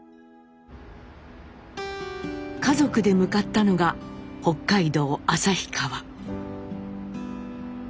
家族で向かったのが北海道旭川。